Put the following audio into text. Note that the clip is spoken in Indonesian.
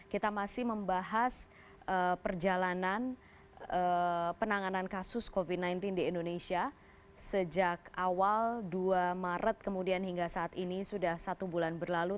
kita masih membahas perjalanan penanganan kasus covid sembilan belas di indonesia sejak awal dua maret kemudian hingga saat ini sudah satu bulan berlalu